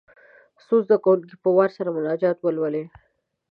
څو زده کوونکي په وار سره مناجات ولولي.